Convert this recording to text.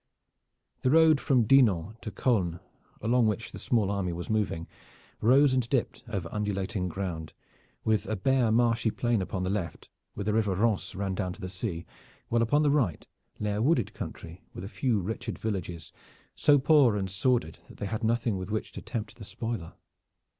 The road from Dinan to Caulnes, along which the small army was moving, rose and dipped over undulating ground, with a bare marshy plain upon the left where the river Rance ran down to the sea, while upon the right lay a wooded country with a few wretched villages, so poor and sordid that they had nothing with which to tempt the spoiler.